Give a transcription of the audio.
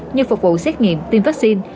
như phục vụ xét nghiệm tiêm vaccine